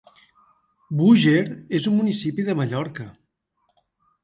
Búger és un municipi de Mallorca.